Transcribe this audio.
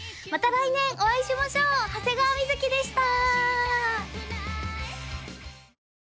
来年お会いしましょう長谷川瑞でした！